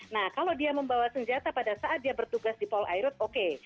nah kalau dia membawa senjata pada saat dia bertugas di pol airut oke